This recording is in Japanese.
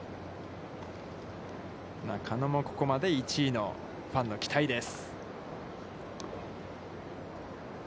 中野も、ここまで１位のファンの期待です。